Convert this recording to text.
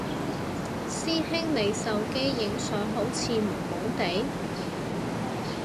師兄你手機影相好似朦朦哋？